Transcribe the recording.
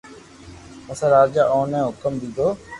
پسي راجا اوني ھڪم ديدو